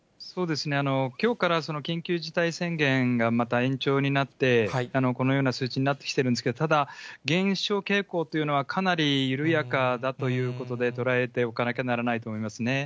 きょうから緊急事態宣言がまた延長になって、このような数字になってきてるんですけど、ただ、減少傾向というのはかなり緩やかだということで、捉えておかなきゃならないと思いますね。